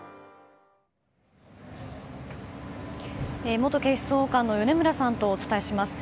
元警視総監の米村さんとお伝えします。